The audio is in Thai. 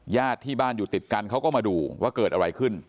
ญาติที่บ้านอยู่ติดกันเขาก็มาดูว่าเกิดอะไรขึ้น